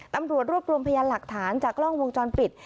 ตำรวจรวบรวมพยานหลักฐานจากกล้องวงจรปิด